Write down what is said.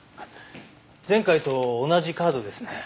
前回と同じカードですね。